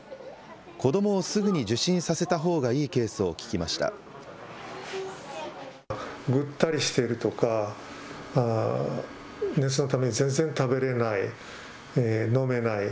子どもをすぐに受診させたほうがいいケースを聞きました。